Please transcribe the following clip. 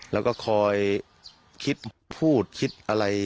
แล้วก็คอยคิดพูดคิดอะไร